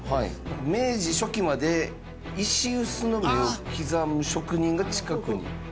明治初期まで石臼の目を刻む職人が近くに。